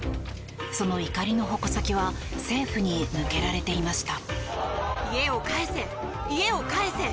その怒りの矛先は政府に向けられていました。